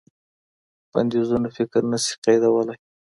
بنديزونه فکر نه سي قيدولای.